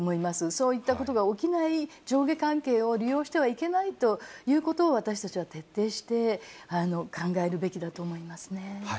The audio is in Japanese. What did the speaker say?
そういったことが起きない上下関係を利用してはいけないということを、私たちは徹底して考えるべきだと思いますね。